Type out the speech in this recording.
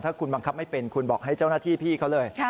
ถ้าคุณบังคับไม่เป็นคุณบอกให้เจ้าหน้าที่พี่เขาเลย